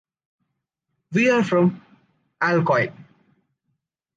We are from Alcoi.